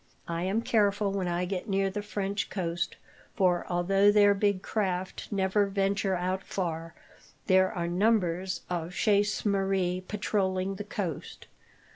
I am careful when I get near the French coast, for although their big craft never venture out far, there are numbers of chasse maree patrolling the coast.